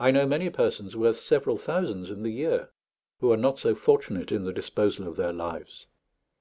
I know many persons, worth several thousands in the year, who are not so fortunate in the disposal of their lives.